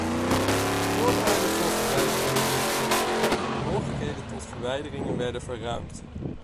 Voorwaarden voor verblijf werden ingeperkt en de mogelijkheden tot verwijdering werden verruimd.